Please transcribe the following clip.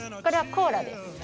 これはコーラです。